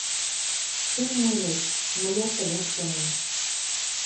Чыным ойлет, мыят тыгак шонем.